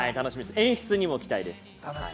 演出にも期待です